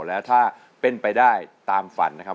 แล้วถ้าเป็นไปได้ตามฝันนะครับ